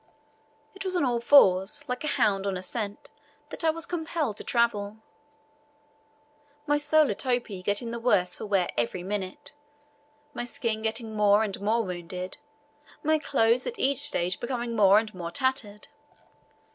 It was on all fours, like a hound on a scent, that I was compelled to travel; my solar topee getting the worse for wear every minute; my skin getting more and more wounded; my clothes at each step becoming more and more tattered.